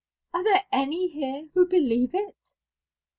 Are there any here who believe it